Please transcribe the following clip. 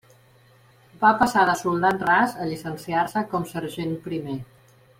Va passar de soldat ras a llicenciar-se com sergent primer.